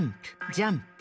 ジャンプ！